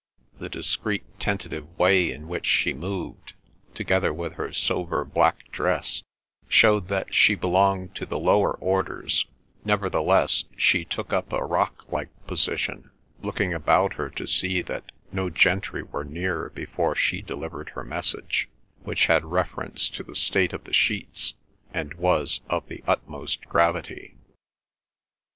The discreet tentative way in which she moved, together with her sober black dress, showed that she belonged to the lower orders; nevertheless she took up a rock like position, looking about her to see that no gentry were near before she delivered her message, which had reference to the state of the sheets, and was of the utmost gravity.